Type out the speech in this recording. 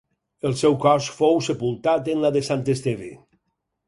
El seu cos fou sepultat en la de Sant Esteve.